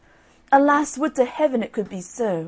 "Alas, would to Heaven it could be so!"